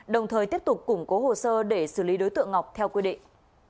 đồng thời tiếp tục củng cố hồ sơ để xử lý đối tượng ngọc theo quy định